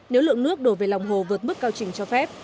nếu lượng nước đổ về lòng hồ vượt mức cao trình cho phép